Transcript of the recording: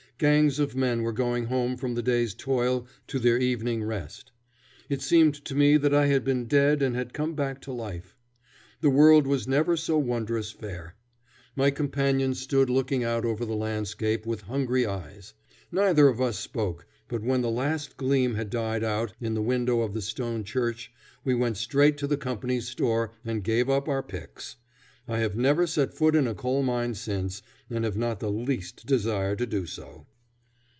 Gangs of men were going home from the day's toil to their evening rest It seemed to me that I had been dead and had come back to life. The world was never so wondrous fair. My companion stood looking out over the landscape with hungry eyes. Neither of us spoke, but when the last gleam had died out in the window of the stone church we went straight to the company's store and gave up our picks. I have never set foot in a coal mine since, and have not the least desire to do so.